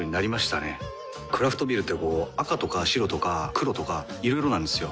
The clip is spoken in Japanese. クラフトビールってこう赤とか白とか黒とかいろいろなんですよ。